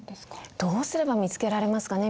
どうすれば見つけられますかね？